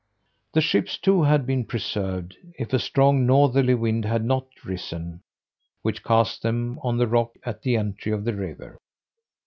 The ships, too, had been preserved, if a strong northerly wind had not risen, which cast them on the rock at the entry of the river.